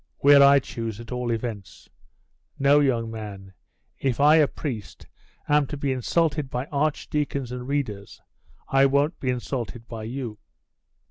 'Where I choose, at all events. No, young man! If I, a priest, am to be insulted by archdeacons and readers, I won't be insulted by you.